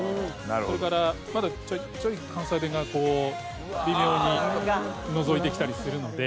それからまだちょいちょい関西弁がこう微妙にのぞいてきたりするので。